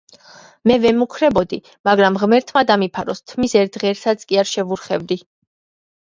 Მე ვემუქრებოდი, მაგრამ ღმერთმა დამიფაროს, თმის ერთ ღერსაც კი არ შევურხევდი.